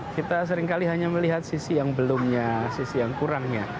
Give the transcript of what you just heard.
kita seringkali hanya melihat sisi yang belumnya sisi yang kurangnya